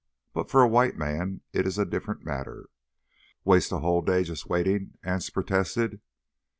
But for a white man is a different matter." "Waste a whole day jus' waitin'!" Anse protested.